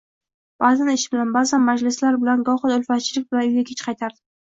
Ba'zan ish bilan, ba'zan majlislar bilan, gohida ulfatchilik bilan uyga kech qaytardim.